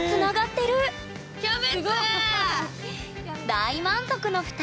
大満足の２人。